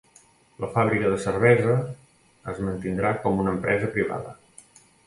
La fàbrica de cervesa es mantindrà com una empresa privada.